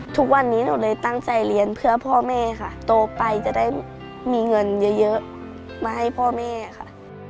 ทุกวันนี้หนูเลยตั้งใจเรียนเพื่อพ่อแม่ค่ะโตไปจะได้มีเงินเยอะมาให้พ่อแม่ค่ะ